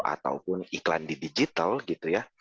ataupun iklan di digital gitu ya